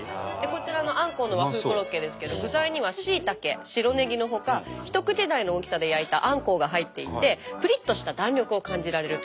こちらのあんこうの和風コロッケですけれど具材にはしいたけ白ねぎのほか一口大の大きさで焼いたあんこうが入っていてぷりっとした弾力を感じられる。